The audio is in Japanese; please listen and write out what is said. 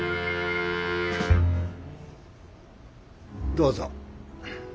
どうぞ。